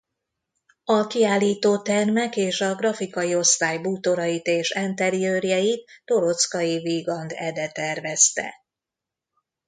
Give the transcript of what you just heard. A kiállítótermek és a grafikai osztály bútorait és enteriőrjeit Toroczkai Wigand Ede tervezte.